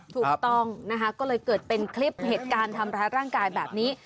ถูกต้องนะคะก็เลยเกิดเป็นคลิปเหตุการณ์ทำร้ายร่างกายแบบนี้